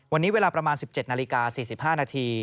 วันนี้เวลาประมาณ๑๗นาฬิกา๔๕นาที